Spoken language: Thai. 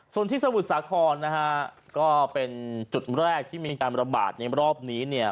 ส่วนที่สมุทรสาครนะฮะก็เป็นจุดแรกที่มีการระบาดในรอบนี้เนี่ย